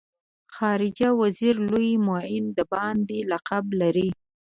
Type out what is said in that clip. خارجه وزیر لوی معین د باندې لقب لري.